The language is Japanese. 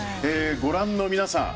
ご覧の皆さん